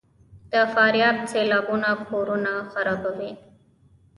د فاریاب سیلابونه کورونه خرابوي؟